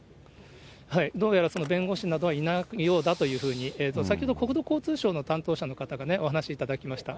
どうやら弁護士などはいないようだというふうに、先ほど国土交通省の担当者の方がお話しいただきました。